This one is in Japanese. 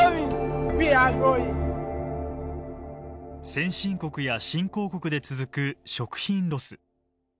先進国や新興国で続く食品ロス。